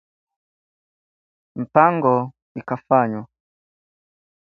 Mipango ikafanywa